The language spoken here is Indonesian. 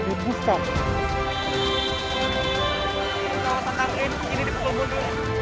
banyaknya pasal pasal tadi saja di pusat